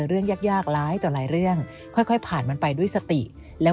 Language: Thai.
เรื่องยากยากร้ายต่อหลายเรื่องค่อยผ่านมันไปด้วยสติแล้ว